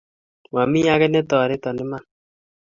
Mami age ne toreta iman;